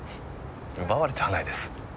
奪われてはないです。